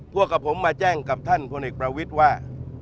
พวกกับผมมาแจ้งกับท่านพลเอกประวิทย์ว่า